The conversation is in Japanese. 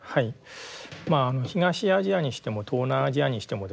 東アジアにしても東南アジアにしてもですね